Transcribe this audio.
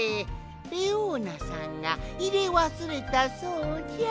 レオーナさんがいれわすれたそうじゃ。